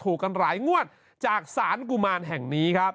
กันหลายงวดจากศาลกุมารแห่งนี้ครับ